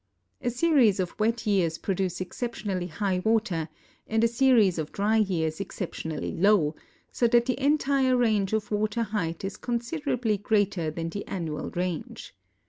A series of wet years produce exception ally high water, and a series of dry 3'ears exceptionally low, so that the entire range of water height is considerably greater than the annual range.